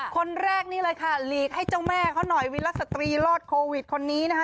คนแรกนี่เลยค่ะหลีกให้เจ้าแม่เขาหน่อยวิลสตรีรอดโควิดคนนี้นะคะ